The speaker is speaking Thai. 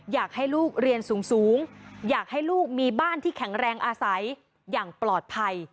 อยากให้ลูกเรียนสูงอยากให้ลูกมีบ้านที่แข็งแรงอาศัยอย่างปลอดภัย